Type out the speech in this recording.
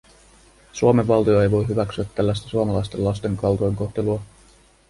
Suomen valtio ei voi hyväksyä tällaista suomalaisten lasten kaltoinkohtelua.